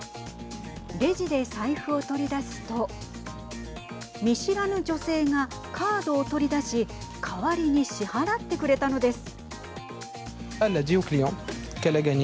レジで財布を取り出すと見知らぬ女性がカードを取り出し代わりに支払ってくれたのです。